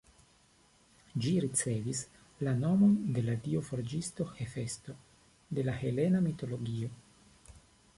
Ĝi ricevis la nomon de la dio forĝisto Hefesto, de la helena mitologio.